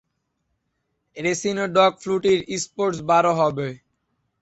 "রেসিনো" dog ফ্লুটি'র sports বারও হবে।